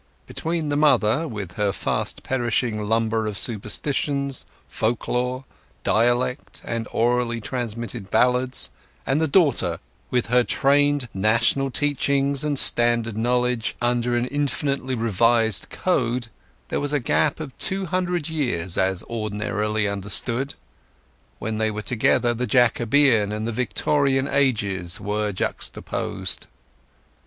Between the mother, with her fast perishing lumber of superstitions, folk lore, dialect, and orally transmitted ballads, and the daughter, with her trained National teachings and Standard knowledge under an infinitely Revised Code, there was a gap of two hundred years as ordinarily understood. When they were together the Jacobean and the Victorian ages were juxtaposed.